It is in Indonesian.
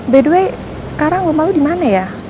by the way sekarang rumah lo dimana ya